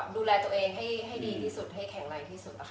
ดูแลตัวเองให้ดีที่สุดให้แข็งแรงที่สุดนะคะ